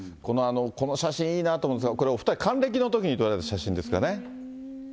この写真いいなと思うんですけど、これお２人、還暦のときに撮られた写真ですかね。